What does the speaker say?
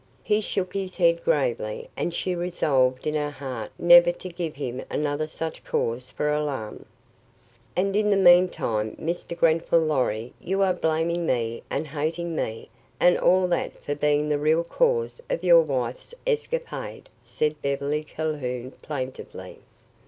He shook his head gravely, and she resolved in her heart never to give him another such cause for alarm. "And in the meantime, Mr. Grenfall Lorry, you are blaming me and hating me and all that for being the real cause of your wife's escapade," said Beverly Calhoun plaintively.